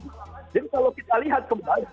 jadi kalau kita lihat kembali